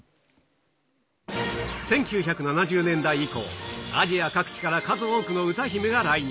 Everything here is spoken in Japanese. １９７０年代以降、アジア各地から数多くの歌姫が来日。